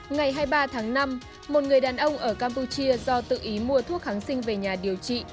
ngày hai mươi ba tháng năm một người đàn ông ở campuchia do tự ý mua thuốc kháng sinh về nhà điều trị